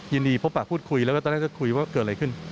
ยินดีพบปะพูดคุยแล้วก็ตอนแรกจะคุยว่าเกิดอะไรขึ้น